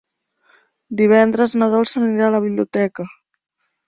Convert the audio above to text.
Divendres na Dolça anirà a la biblioteca.